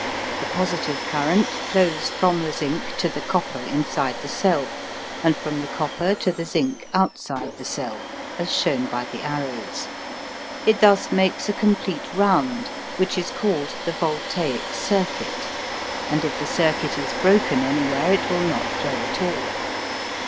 The positive current flows from the zinc to the copper inside the cell and from the copper to the zinc outside the cell, as shown by the arrows. It thus makes a complete round, which is called the voltaic "circuit," and if the circuit is broken anywhere it will not flow at all.